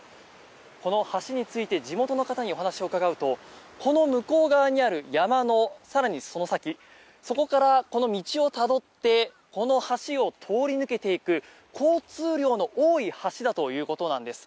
この橋について地元の方にお話を伺うとこの向こう側にある山の更にその先そこからこの道をたどってこの橋を通り抜けていく交通量の多い橋だということなんです。